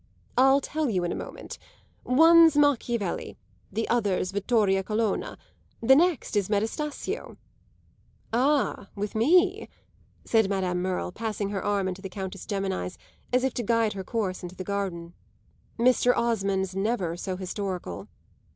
"I'll tell you in a moment. One's Machiavelli; the other's Vittoria Colonna; the next is Metastasio." "Ah, with me," said Madame Merle, passing her arm into the Countess Gemini's as if to guide her course to the garden, "Mr. Osmond's never so historical."